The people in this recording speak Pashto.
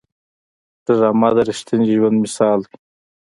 ډرامه د رښتیني ژوند مثال دی